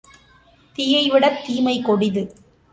தீயைவிடத் தீமை கொடிது.